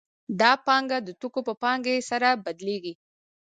دا پانګه د توکو په پانګه سره بدلېږي